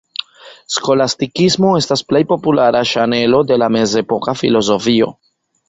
Skolastikismo estas plej populara ŝanelo de la mezepoka filozofio.